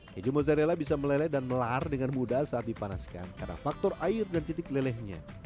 keju mozzarella bisa meleleh dan melar dengan mudah saat dipanaskan karena faktor air dan titik lelehnya